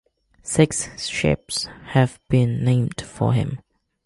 Six ships have been named for him.